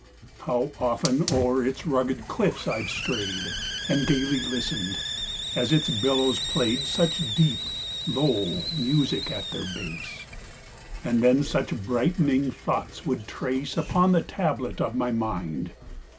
How often o'er its rugged cliffs I've strayed, And gaily listened, as its billows playedSuch deep, low music at their base—And then such brightening thoughts would traceUpon the tablet of my mind!